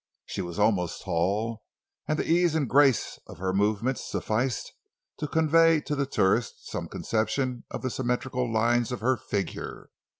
She was almost tall, and the ease and grace of her movements sufficed to convey to the tourist some conception of the symmetrical lines of her figure.